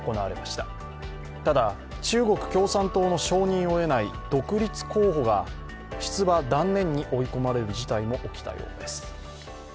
ただ中国共産党の承認を得ない独立候補が出馬断念に追い込まれる事態も起きたようです。